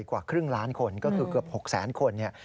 กว่าครึ่งล้านคนก็คือเกือบหกแสนคน